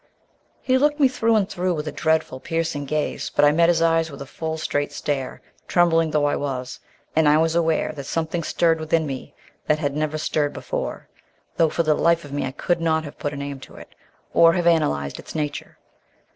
He looked me through and through with a dreadfully piercing gaze, but I met his eyes with a full straight stare, trembling though I was, and I was aware that something stirred within me that had never stirred before, though for the life of me I could not have put a name to it, or have analysed its nature.